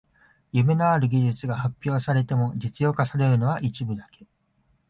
夢のある技術が発表されても実用化されるのは一部だけ